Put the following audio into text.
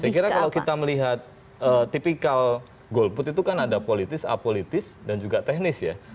saya kira kalau kita melihat tipikal golput itu kan ada politis apolitis dan juga teknis ya